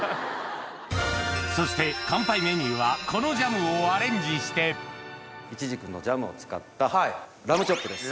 そして乾杯メニューはこのジャムをアレンジしてイチジクのジャムを使ったラムチョップです。